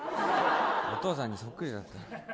お父さんにそっくりだった。